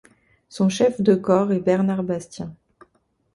Son chef de corps est Bernard Bastien.